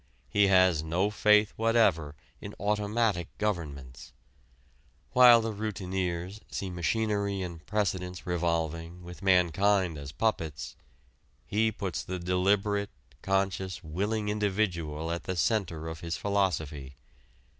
He has no faith whatever in automatic governments. While the routineers see machinery and precedents revolving with mankind as puppets, he puts the deliberate, conscious, willing individual at the center of his philosophy.